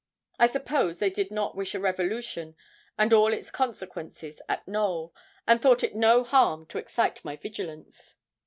I suppose they did not wish a revolution and all its consequences at Knowl, and thought it no harm to excite my vigilance.